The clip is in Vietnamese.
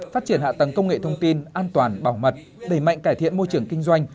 phát triển hạ tầng công nghệ thông tin an toàn bảo mật đẩy mạnh cải thiện môi trường kinh doanh